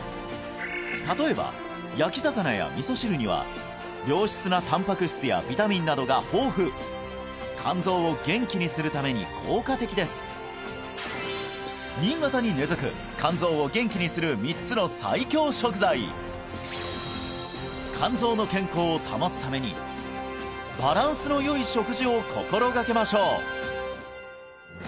例えば焼き魚や味噌汁には良質なたんぱく質やビタミンなどが豊富肝臓を元気にするために効果的です新潟に根づく肝臓を元気にする３つの最強食材肝臓の健康を保つためにバランスのよい食事を心がけましょう！